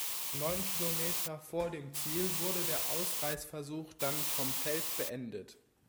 Neun Kilometer vor dem Ziel wurde der Ausreißversuch dann vom Feld beendet.